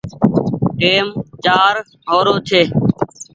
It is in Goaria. ٽيم چآر هو ري ڇي